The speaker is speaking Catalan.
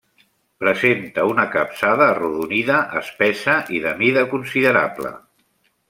Presenta una capçada arrodonida, espessa i de mida considerable.